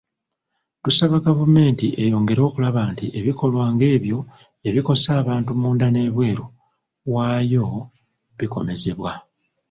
Tusaba gavumenti eyongere okulaba nti ebikolwa ng’ebyo ebikosa abantu munda n’ebweru waayo bikomezebwa.